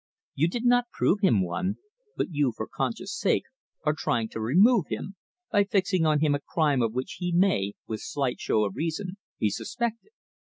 You did not prove him one, but you, for conscience sake, are trying to remove him, by fixing on him a crime of which he may, with slight show of reason, be suspected.